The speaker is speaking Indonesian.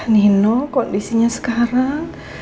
nino kondisinya sekarang